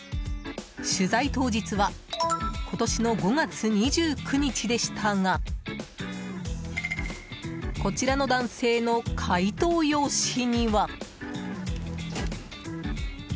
取材当日は今年の５月２９日でしたがこちらの男性の解答用紙には。